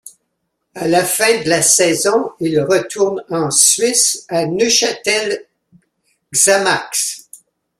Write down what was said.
À la fin de la saison, il retourne en Suisse, à Neuchâtel Xamax.